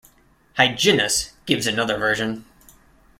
Hyginus gives another version.